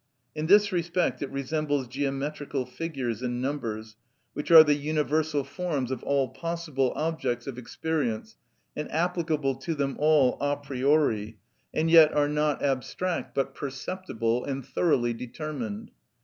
In this respect it resembles geometrical figures and numbers, which are the universal forms of all possible objects of experience and applicable to them all a priori, and yet are not abstract but perceptible and thoroughly determined.